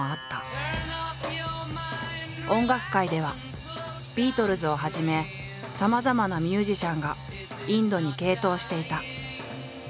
音楽界ではビートルズをはじめさまざまなミュージシャンがインドに傾倒していた。